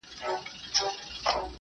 هغه مئین خپل هر ناهیلي پل ته رنگ ورکوي.